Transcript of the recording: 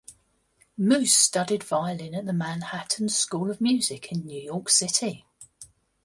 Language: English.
Moose studied violin at the Manhattan School of Music in New York City.